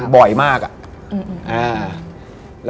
บ่อยมากอะ